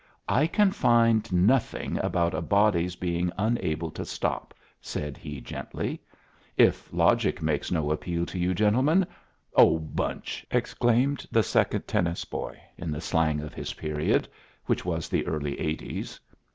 "I can find nothing about a body's being unable to stop," said he, gently. "If logic makes no appeal to you, gentlemen " "Oh, bunch!" exclaimed the second tennis boy, in the slang of his period, which was the early eighties.